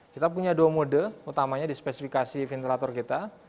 kita punya dua mode utamanya di spesifikasi ventilator kita